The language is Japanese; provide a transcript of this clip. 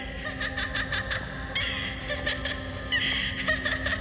ハハハッ！」